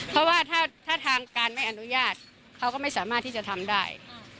เพราะว่าถ้าทางการไม่อนุญาตเขาก็ไม่สามารถที่จะทำได้